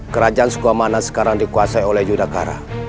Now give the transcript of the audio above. kerajaan sukamana sekarang dikuasai oleh yudakara